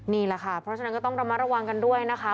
นี่แหละค่ะเพราะฉะนั้นก็ต้องระมัดระวังกันด้วยนะคะ